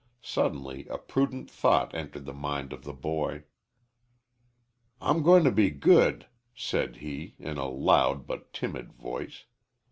Suddenly a prudent thought entered the mind of the boy. "I'm going to be good," said he, in a loud but timid voice.